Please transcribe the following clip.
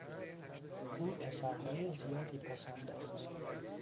او پسرهای زیادی پس انداخت.